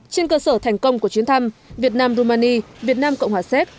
trên cơ sở thành công của chuyến thăm việt nam rumani việt nam cộng hòa séc